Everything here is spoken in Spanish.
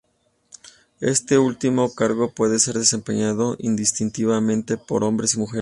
Este último cargo puede ser desempeñado indistintamente por hombres y mujeres.